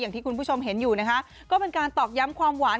อย่างที่คุณผู้ชมเห็นอยู่นะคะก็เป็นการตอกย้ำความหวาน